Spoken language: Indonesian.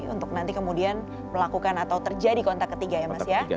untuk nanti kemudian melakukan atau terjadi kontak ketiga ya mas ya